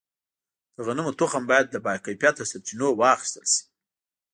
د غنمو تخم باید له باکیفیته سرچینو واخیستل شي.